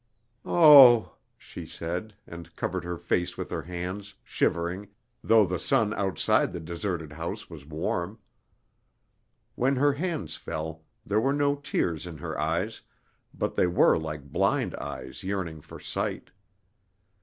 "Oh!" she said, and covered her face with her hands, shivering, though the sun outside the deserted house was warm. When her hands fell, there were no tears in her eyes, but they were like blind eyes yearning for sight.